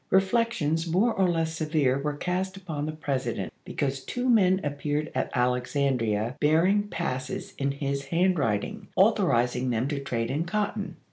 Reflections more or less severe were cast upon the President because two men appeared at Alex andria bearing passes in his handwriting authoriz ing them to trade in cotton.